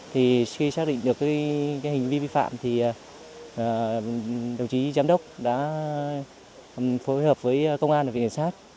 thì khi xác định được cái hình vi vi phạm thì đồng chí giám đốc đã phối hợp với công an và viện hiển sát